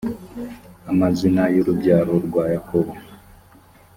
amazina y urubyaro rwa yakobo